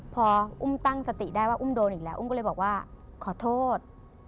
พออุ้มตั้งสติได้ว่าอุ้มโดนอีกแล้วอุ้มก็เลยบอกว่าขอโทษ